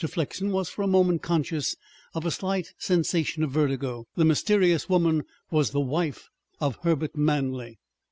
Flexen was for a moment conscious of a slight sensation of vertigo. The mysterious woman was the wife of Herbert Manley!